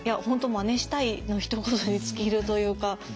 本当まねしたいのひと言に尽きるというか。